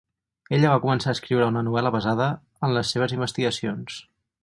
Ella va començar a escriure una novel·la basada en les seves investigacions.